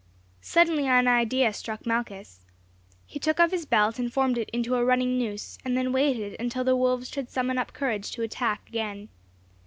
Suddenly an idea struck Malchus. He took off his belt and formed it into a running noose, and then waited until the wolves should summon up courage to attack again.